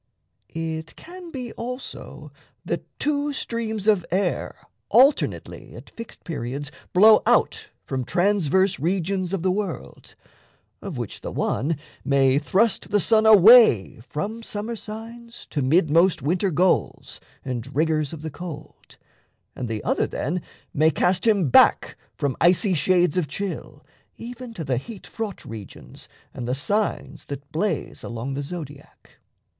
It can be also that two streams of air Alternately at fixed periods Blow out from transverse regions of the world, Of which the one may thrust the sun away From summer signs to mid most winter goals And rigors of the cold, and the other then May cast him back from icy shades of chill Even to the heat fraught regions and the signs That blaze along the Zodiac.